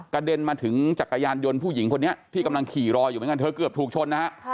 กระเด็นมาถึงจักรยานยนต์ผู้หญิงพวกนี้ที่กำลังขี่รอยอยู่ไหมก็เกือบถูกชนนะฮะ